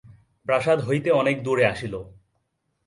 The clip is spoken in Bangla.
প্রাসাদ হইতে অনেক দূরে আসিল।